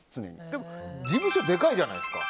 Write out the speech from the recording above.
でも事務所でかいじゃないですか。